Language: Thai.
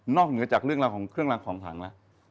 เหนือจากเรื่องราวของเครื่องรางของขังแล้ว